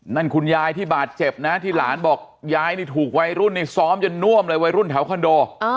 นั่นคุณยายที่บาดเจ็บนะที่หลานบอกยายนี่ถูกวัยรุ่นนี่ซ้อมจนน่วมเลยวัยรุ่นแถวคอนโด